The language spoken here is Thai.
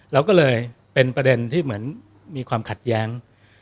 เราก็เลยเป็นประเด็นที่เหมือนมีความขัดแย้ง